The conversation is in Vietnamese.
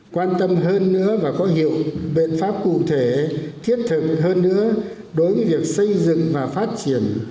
quan tâm hơn nữa và có nhiều biện pháp cụ thể thiết thực hơn nữa đối với việc xây dựng và phát triển